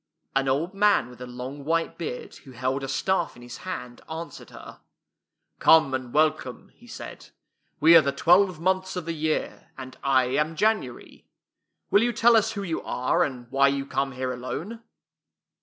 An old man with a long white beard, who held a staff in his hand, answered her :'' Come and welcome," he said. "We are the twelve months of the year, and I am January. Will you tell us who you are, and why you come here alone?